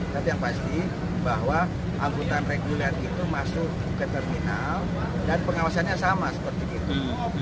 tapi yang pasti bahwa angkutan reguler itu masuk ke terminal dan pengawasannya sama seperti itu